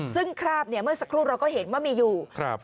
ซึ่งคราบเมื่อสักครู่เราก็เห็นว่ามีอยู่